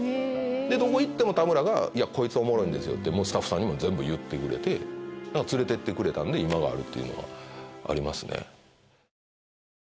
どこ行っても田村が「いやこいつおもろいんですよ」ってスタッフさんにも全部言ってくれて連れてってくれたんで今があるっていうのはありますね。